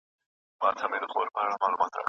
هیندارې ټولې د ایرو رنګ لري